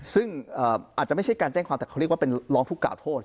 ซึ่งอาจจะไม่ใช่การแจ้งความแต่เขาเรียกว่าเป็นร้องผู้กล่าวโทษ